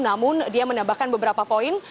namun dia menambahkan beberapa poin